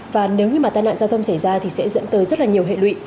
và nếu như mà tai nạn giao thông xảy ra thì sẽ dẫn tới rất là nhiều hệ lụy